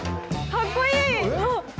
かっこいい！